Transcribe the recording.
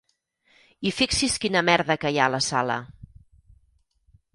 I fixi's quina merda que hi ha a la sala!